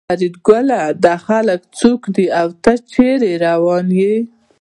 فریدګله دا خلک څوک دي او ته چېرې روان یې